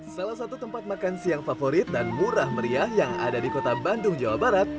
salah satu tempat makan siang favorit dan murah meriah yang ada di kota bandung jawa barat